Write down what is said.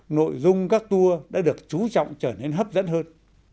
nội dung các tour đã được chú trọng trở nên hấp dẫn hơn